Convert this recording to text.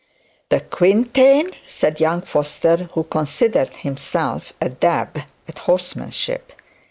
'The quintain?' said young Foster, who considered himself a dab at horsemanship.